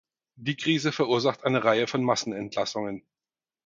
Die Krise verursacht eine Reihe von Massenentlassungen.